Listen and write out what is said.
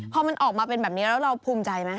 พอมันออกมาแบบนี้เดี๋ยวเราภูมิใจไหม